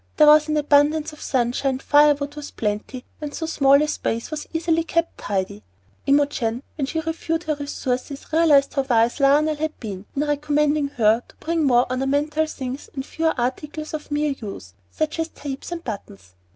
There was an abundance of sunshine, fire wood was plenty, and so small a space was easily kept tidy. Imogen, when she reviewed her resources, realized how wise Lionel had been in recommending her to bring more ornamental things and fewer articles of mere use, such as tapes and buttons.